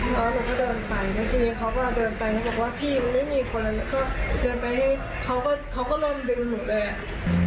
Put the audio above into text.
แล้วเราก็เดินไปแล้วทีนี้เขาก็เดินไปแล้วบอกว่าพี่มันไม่มีคนแล้วก็เดินไปให้เขาก็เริ่มดึงหนูเลย